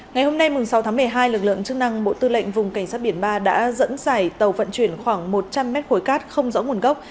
ngày hôm nay sáu tháng một mươi hai lực lượng chức năng bộ tư lệnh vùng cảnh sát biển ba đã dẫn dải tàu vận chuyển khoảng một trăm linh mét khối cát không rõ nguồn gốc